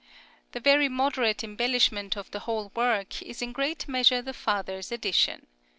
The very moderate embellishment of the whole work is in great measure the father's addition.